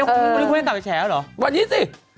วันนี้คุณกลับไปแฉอย่างไรหรอวันนี้สิ